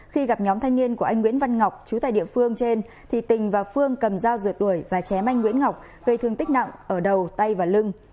khi gặp nhóm thanh niên của anh nguyễn văn ngọc chú tại địa phương trên thì tình và phương cầm dao rượt đuổi và chém anh nguyễn ngọc gây thương tích nặng ở đầu tay và lưng